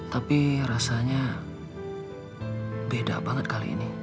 tapi rasanya beda banget kali ini